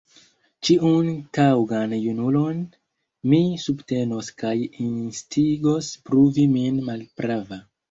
Ĉiun taŭgan junulon mi subtenos kaj instigos pruvi min malprava.